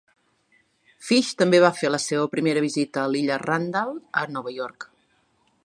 Phish també va fer la seva primera visita a l'illa Randall a Nova York.